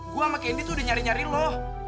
gue sama candy tuh udah nyari nyari lo